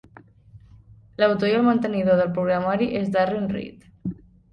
L'autor i el mantenidor del programari és Darren Reed.